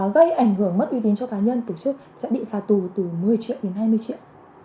gây ảnh hưởng mất uy tín cho cá nhân tổ chức sẽ bị phạt tù từ một mươi triệu đến hai mươi triệu